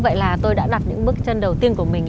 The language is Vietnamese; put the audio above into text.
vậy là tôi đã đặt những bước chân đầu tiên của mình